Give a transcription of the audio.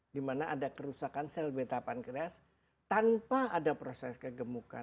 di mana ada kerusakan sel beta pankreas tanpa ada proses kegemukan